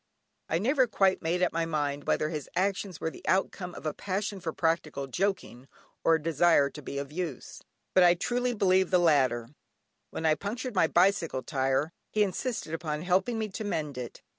I never quite made up my mind whether his actions were the outcome of a passion for practical joking, or a desire to be of use, but I try to believe the latter. When I punctured my bicycle tyre he insisted upon helping me to mend it.